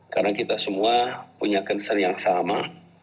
karena kita semua punya concern yang sama